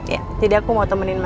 ya jadi aku mau temenin mas arman